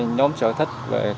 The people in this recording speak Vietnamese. nhóm sở thích